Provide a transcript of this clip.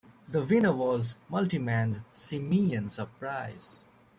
The winner was Multiman's Simian Surprise.